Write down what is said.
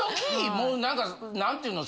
もう何か何て言うの？